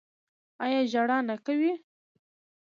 ایا ژړا نه کوي؟